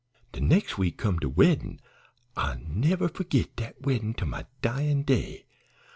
"De nex' week come de weddin'. I'll never forgit dat weddin' to my dyin' day.